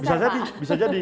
bisa jadi bisa jadi